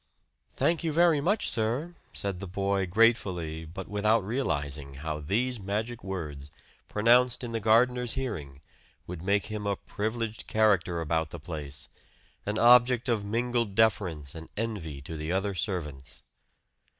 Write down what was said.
"Thank you very much, sir," said the boy gratefully; but without realizing how these magic words, pronounced in the gardener's hearing, would make him a privileged character about the place an object of mingled deference and envy to the other servants.